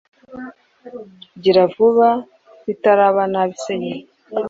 Gira vuba bitaraba nabi se nyine!